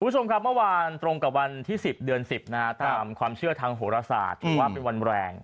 คุณผู้ชมครับเมื่อวานตรงกับวันที่๑๐เดือน๑๐นะฮะตามความเชื่อทางโหรศาสตร์ถือว่าเป็นวันแรง